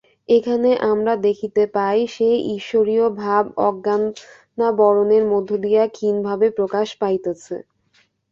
এখানে আমরা দেখিতে পাই, সেই ঈশ্বরীয় ভাব অজ্ঞানাবরণের মধ্য দিয়া ক্ষীণভাবে প্রকাশ পাইতেছে।